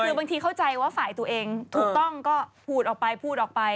คือบางทีเข้าใจว่าฝ่ายตัวเองถูกต้องก็พูดออกไปพูดออกไป